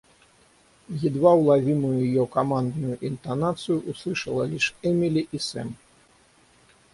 Едва уловимую её командную интонацию услышала лишь Эмили и Сэм.